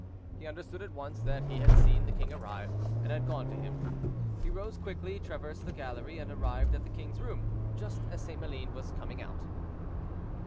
He understood at once that he had seen the king arrive, and had gone to him. He rose quickly, traversed the gallery, and arrived at the king's room just as St. Maline was coming out.